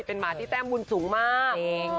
เห็นมาที่ตั้งบุญสูงมาก